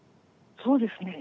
そうですね。